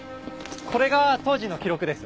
これが当時の記録です。